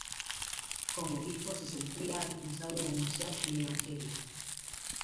Como obispo se sentía responsable de anunciar el Evangelio.